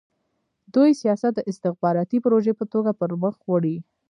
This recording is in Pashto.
دوی سیاست د استخباراتي پروژې په توګه پرمخ وړي.